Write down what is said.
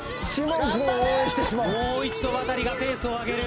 もう一度ワタリがペースを上げる。